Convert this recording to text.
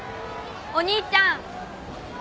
・お兄ちゃん。